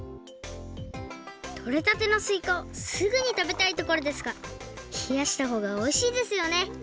とれたてのすいかをすぐにたべたいところですがひやしたほうがおいしいですよね。